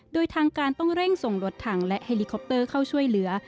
โดยทางการต้องเร่งส่งรถถังและเฮลิคอปเตอร์เข้าช่วยเหลือ